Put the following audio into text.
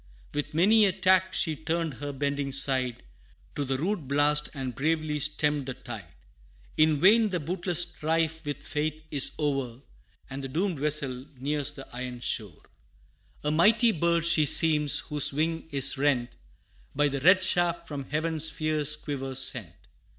With many a tack she turned her bending side To the rude blast, and bravely stemmed the tide. In vain! the bootless strife with fate is o'er And the doomed vessel nears the iron shore. A mighty bird, she seems, whose wing is rent By the red shaft from heaven's fierce quiver sent.